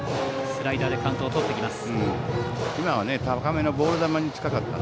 スライダーでカウントをとってきます。